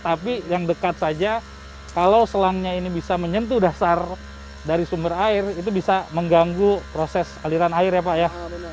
tapi yang dekat saja kalau selangnya ini bisa menyentuh dasar dari sumber air itu bisa mengganggu proses aliran air ya pak ya